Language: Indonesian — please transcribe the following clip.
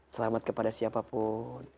selamat kepada siapapun